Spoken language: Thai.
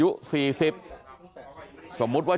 สวัสดีครับคุณผู้ชาย